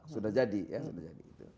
sudah jadi ya